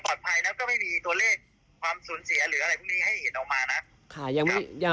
นะก็ไม่มีตัวเลขความสูญเสียหรืออะไรพวกนี้ให้เห็นออกมานะ